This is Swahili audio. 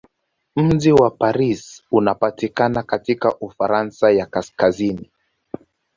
Mji wa Paris unapatikana katika Ufaransa ya kaskazini.